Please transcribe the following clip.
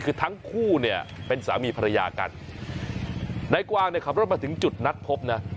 คือทั้งคู่เป็นสามีภรรยากันนายกวางขับรถมาถึงจุดนัดพบ